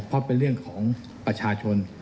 เพราะเป็นเรื่องของประชาชน